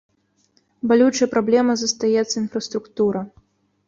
Балючай праблемай застаецца інфраструктура.